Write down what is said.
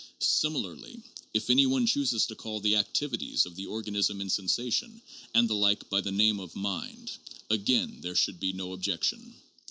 Similarly if any one chooses to call the activities of the organism in sensation and the like by the name of mind, again there should be no objection.